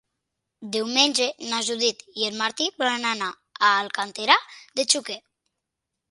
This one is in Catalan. Diumenge na Judit i en Martí volen anar a Alcàntera de Xúquer.